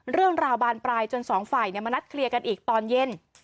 เรื่องราวบานปลายจนสองฝ่ายมานัดเคลียร์กันอีกตอนเย็น